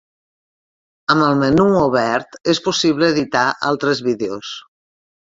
Amb el menú obert és possible editar altres vídeos.